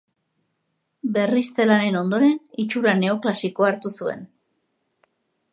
Berrizte lanen ondoren itxura neoklasikoa hartu zuen.